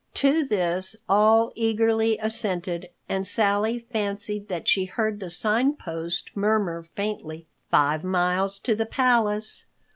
To this all eagerly assented, and Sally fancied that she heard the Sign Post murmur faintly, "Five miles to the palace."